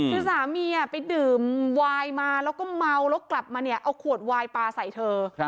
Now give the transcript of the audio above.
คือสามีไปดื่มไวล์มาและกลับมาอาควดไวล์ปลาใส่เธอ